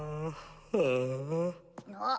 あっ。